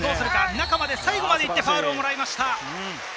中まで最後まで行って、ファウルをもらいました。